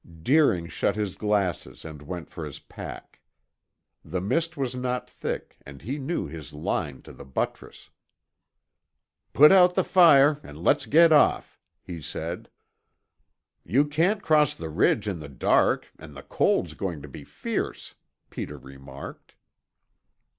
Deering shut his glasses and went for his pack. The mist was not thick and he knew his line to the buttress. "Put out the fire and let's get off," he said. "You can't cross the ridge in the dark and the cold's going to be fierce," Peter remarked.